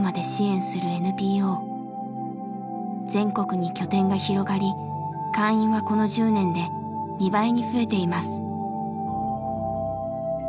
全国に拠点が広がり会員はこの１０年で２倍に増えています。